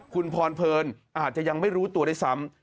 คุณพรเพลินอาจจะยังไม่รู้ตัวด้วยซ้ำ